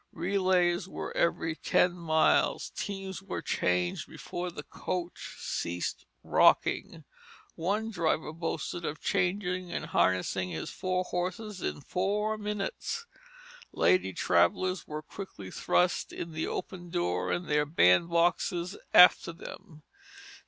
Relays were every ten miles; teams were changed before the coach ceased rocking; one driver boasted of changing and harnessing his four horses in four minutes. Lady travellers were quickly thrust in the open door and their bandboxes after them.